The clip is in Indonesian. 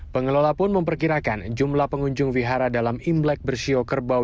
pengelola pun memperkirakan jumlah pengunjung wihara dalam imlek bersio kerbau